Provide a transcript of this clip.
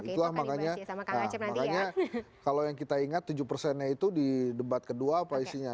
itulah makanya kalau yang kita ingat tujuh persennya itu di debat kedua apa isinya